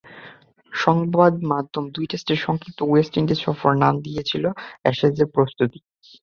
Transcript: সংবাদমাধ্যম দুই টেস্টের সংক্ষিপ্ত ওয়েস্ট ইন্ডিজ সফরের নাম দিয়ে দিয়েছিল অ্যাশেজের প্রস্তুতি।